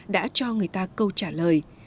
đã cho người ta câu trả lời